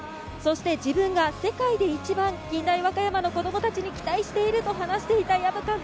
自分が世界で近大和歌山の子供たちに期待していると話していた藪監督。